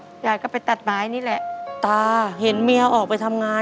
อเรนนี่ต้องมีวัคซีนตัวหนึ่งเพื่อที่จะช่วยดูแลพวกม้ามและก็ระบบในร่างกาย